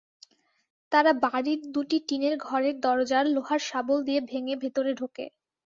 তারা বাড়ির দুটি টিনের ঘরের দরজা লোহার শাবল দিয়ে ভেঙে ভেতরে ঢুকে।